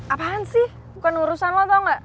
apaan sih bukan urusan lo tau gak